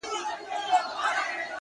كله _ناكله غلتيږي څــوك غوصه راځـي _